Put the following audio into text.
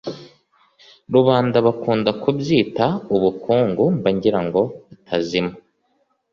Rubanda bakundaKubyita ubukunguMba ngira ngo utazimwa